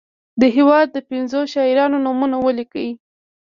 د هیواد د پنځو شاعرانو نومونه ولیکي.